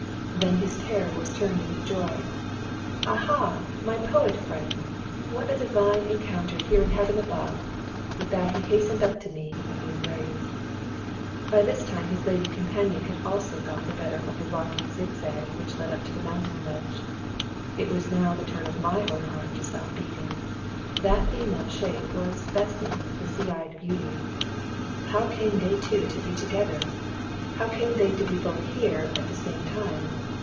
Then his terror was turned into joy. "Ah, ha! my poet friend! What a divine encounter here in Heaven above!" With that he hastened up to me and we embraced. By this time his lady companion had also got the better of the rocky zig zag which led up to the mountain ledge. It was now the turn of my own heart to stop beating. That female shape was Bessy the sea eyed beauty! How came they two to be together? How came they to be both here at the same time?